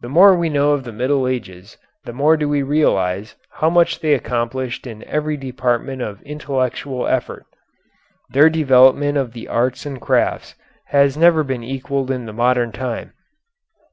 The more we know of the Middle Ages the more do we realize how much they accomplished in every department of intellectual effort. Their development of the arts and crafts has never been equalled in the modern time.